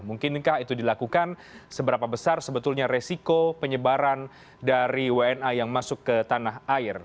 mungkinkah itu dilakukan seberapa besar sebetulnya resiko penyebaran dari wna yang masuk ke tanah air